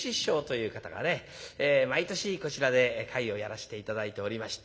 毎年こちらで会をやらして頂いておりまして。